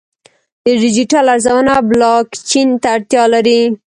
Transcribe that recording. د ډیجیټل ارزونه بلاکچین ته اړتیا لري.